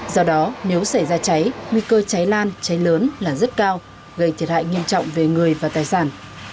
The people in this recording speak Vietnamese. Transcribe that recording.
do đó nếu xảy ra cháy nguy cơ cháy lan cháy lớn là rất cao gây thiệt hại nghiêm trọng về người và tài sản